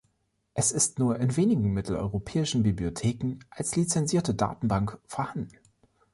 Es ist nur in wenigen mitteleuropäischen Bibliotheken als lizenzierte Datenbank vorhanden.